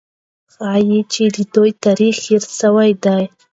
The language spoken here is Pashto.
ښایي چې د دوی تاریخ هېر سوی وي.